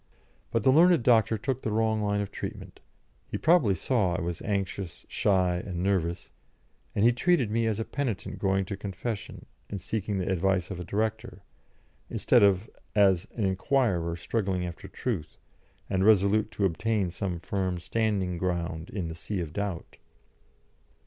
But the learned doctor took the wrong line of treatment; he probably saw I was anxious, shy, and nervous, and he treated me as a penitent going to confession and seeking the advice of a director, instead of as an inquirer struggling after truth, and resolute to obtain some firm standing ground in the sea of doubt.